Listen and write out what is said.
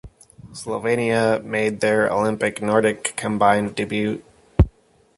Slovenia made their Olympic Nordic combined debut.